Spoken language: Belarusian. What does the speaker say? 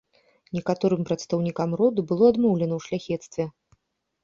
Некаторым прадстаўнікам роду было адмоўлена ў шляхецтве.